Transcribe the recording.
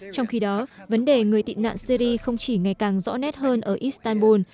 trong khi đó vấn đề người tị nạn syri không chỉ ngày càng rõ nét hơn ở istanbul